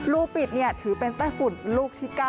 ลูกปิดถือเป็นไต้ฝุ่นลูกที่๙